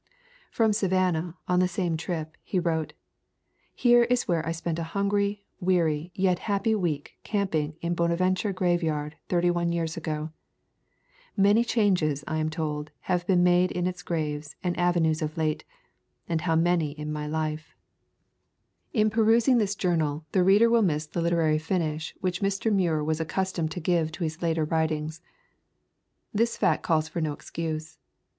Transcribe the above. From Sa vannah, on the same trip, he wrote: "Here is where I spent a hungry, weary, yet happy week camping in Bonaventure graveyard thirty one years ago. Many changes, I am told, have been made in its graves and avenues of late, and how many in my life!" [ xxiv ] Introduction In perusing this journal the reader will miss the literary finish which Mr. Muir was accus tomed to give to his later writings. This fact calls for no excuse.